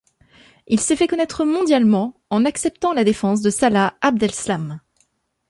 Il s’est fait connaitre mondialement en acceptant la défense de Salah Abdeslam.